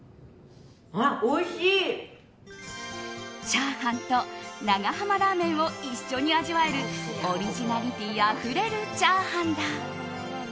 チャーハンと長浜ラーメンを一緒に味わえるオリジナリティーあふれるチャーハンだ。